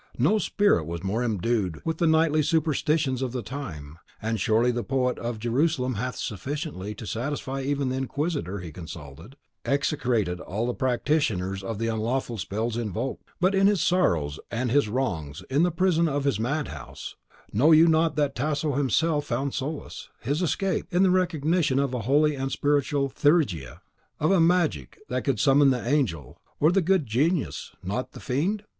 l.) "No spirit was more imbued with the knightly superstitions of the time; and surely the Poet of Jerusalem hath sufficiently, to satisfy even the Inquisitor he consulted, execrated all the practitioners of the unlawful spells invoked, 'Per isforzar Cocito o Flegetonte.' (To constrain Cocytus or Phlegethon.) "But in his sorrows and his wrongs, in the prison of his madhouse, know you not that Tasso himself found his solace, his escape, in the recognition of a holy and spiritual Theurgia, of a magic that could summon the Angel, or the Good Genius, not the Fiend?